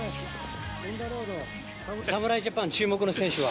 侍ジャパン、注目の選手は？